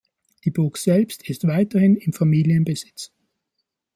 Die Burg selbst ist weiterhin im Familienbesitz.